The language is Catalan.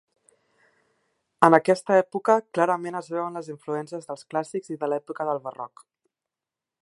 En aquesta època clarament es veuen les influències dels clàssics i de l'època del barroc.